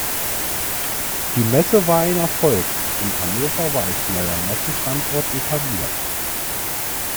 Diese Messe war ein Erfolg und Hannover war als neuer Messestandort etabliert.